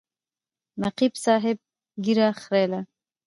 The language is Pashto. نقیب صاحب ږیره خریله.